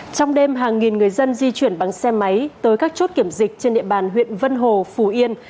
trong đêm hàng nghìn người dân di chuyển bằng xe máy tới các chốt kiểm dịch trên địa bàn huyện vân hồ phù yên